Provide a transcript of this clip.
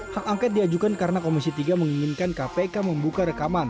hak angket diajukan karena komisi tiga menginginkan kpk membuka rekaman